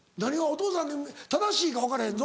お父さん正しいか分かれへんぞ。